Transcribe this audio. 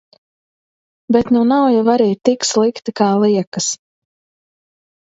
Bet nu nav jau arī tik slikti kā liekas.